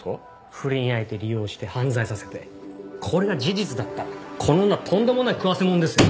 不倫相手利用して犯罪させてこれが事実だったらこの女とんでもない食わせもんですよ。